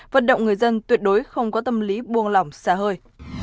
vận động người dân tuyệt đối không có tâm lý buông lỏng xa hơi